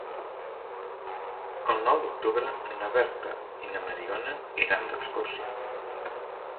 El nou d'octubre na Berta i na Mariona iran d'excursió.